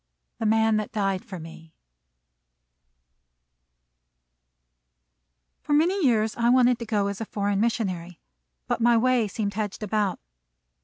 "THE MAN THAT DIED FOR ME" For many years I wanted to go as a foreign missionary, but my way seemed hedged about.